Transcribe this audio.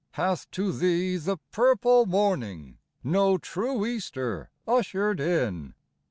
Hath to thee the purple morning No true Easter ushered in